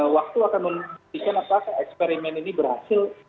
waktu akan menunjukkan apa eksperimen ini berhasil